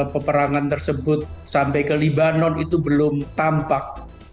peperangan tersebut sampai ke libanon itu belum tampak